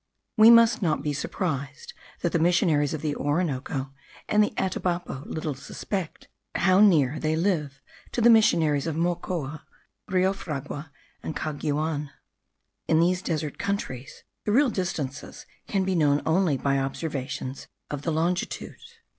We must not be surprised that the missionaries of the Orinoco and the Atabapo little suspect how near they live to the missionaries of Mocoa, Rio Fragua, and Caguan. In these desert countries, the real distances can be known only by observations of the longitude.